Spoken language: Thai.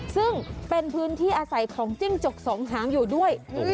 ซึ่งเป็นพื้นที่อาศัยของจิ้งจกสองหางอยู่ด้วย